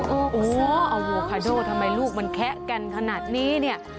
โอ้โหอโวคาโดทำไมลูกมันแคะกันขนาดนี้เนี่ย